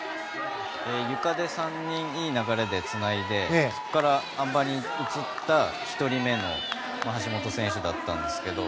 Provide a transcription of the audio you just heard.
ゆかで３人、いい流れでつないでそこからあん馬に移った１人目の橋本選手だったんですけど